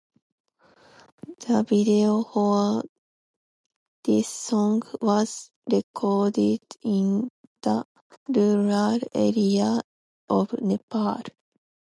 The video for this song was recorded in the rural areas of Nepal.